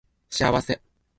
幸せ